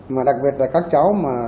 mà đặc biệt là các cháu mà